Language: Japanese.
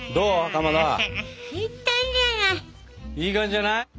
いい感じじゃない？